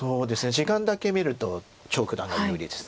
時間だけ見ると張栩九段が有利です。